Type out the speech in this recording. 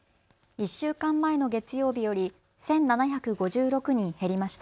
１週間前の月曜日より１７５６人減りました。